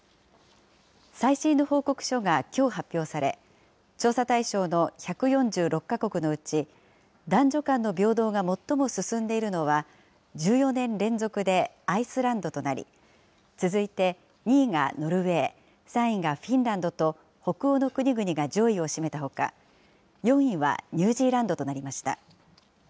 最新の報告書がきょう発表され、調査対象の１４６か国のうち、男女間の平等が最も進んでいるのは、１４年連続でアイスランドとなり、続いて２位がノルウェー、３位がフィンランドと、北欧の国々が上位を占めたほか、４位はニュージーランドとなりました。